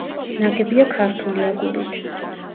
ნაგებია ქართული აგურით.